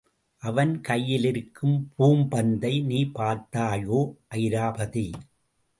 அவன் கையிலிருக்கும் பூம்பந்தை நீ பார்த்தாயோ அயிராபதி!